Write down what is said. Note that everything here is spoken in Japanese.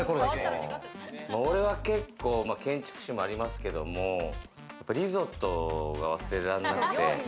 これは結構建築士もありますけれども、リゾットが忘れらんなくて。